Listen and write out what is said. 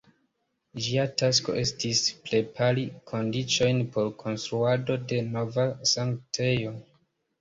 Ĝia tasko estis prepari kondiĉojn por konstruado de nova sanktejo.